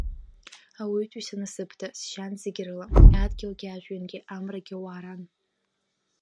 Ауаҩытәыҩса насыԥда сжьан зегь рыла, адгьылгьы, ажәҩангьы, амрагьы уааран.